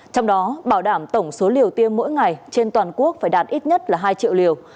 trong đó bảo đảm tổng số liều tiêm mỗi ngày trên toàn quốc phải đạt ít nhất là hai triệu liều